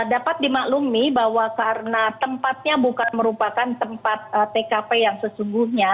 dapat dimaklumi bahwa karena tempatnya bukan merupakan tempat tkp yang sesungguhnya